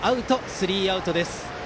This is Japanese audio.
スリーアウトです。